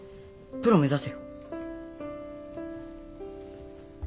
プロ目指せよ